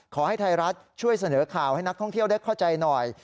ขอให้ไทยรัฐช่วยเสนอข่าวให้นักท่องเที่ยวได้เข้าใจหน่อย